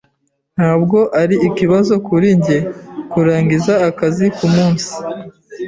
Ntabwo ari ikibazo kuri njye kurangiza akazi kumunsi.